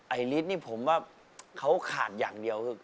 ฤทธิ์นี่ผมว่าเขาขาดอย่างเดียวคือ